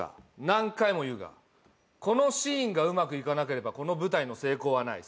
何回も言うがこのシーンがうまくいかなければこの舞台の成功はない。